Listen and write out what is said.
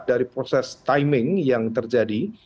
dari proses timing yang terjadi